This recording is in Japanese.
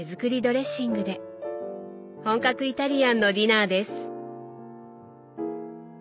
本格イタリアンのディナーです。